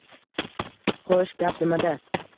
— Xo‘sh, gap nimada?